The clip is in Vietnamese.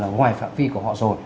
là ngoài phạm vi của họ rồi